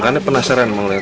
udah tahu datang lagi